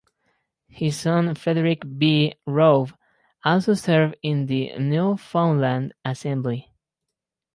His son Frederick B. Rowe also served in the Newfoundland assembly.